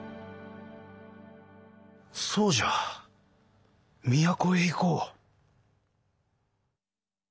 そうじゃ都へ行こう。